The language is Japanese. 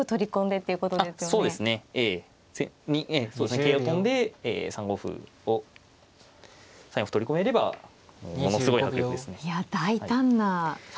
桂を跳んで３五歩を３四歩取り込めればものすごい迫力ですね。